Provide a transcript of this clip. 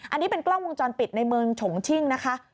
อันนี้เป็นกล้องวงจรปิดในเมืองฉงชิ่งนะคะ